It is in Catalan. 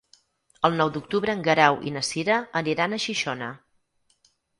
El nou d'octubre en Guerau i na Cira aniran a Xixona.